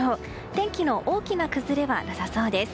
天気の大きな崩れはなさそうです。